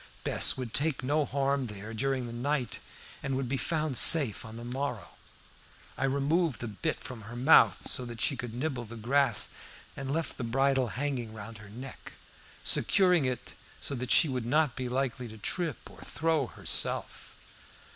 Bess would take no harm there during the night and would be found safe enough on the morrow. I removed the bit from her mouth, so that she could nibble the grass, and left the bridle hanging round her neck, securing it so that she would not be likely to trip or throw herself.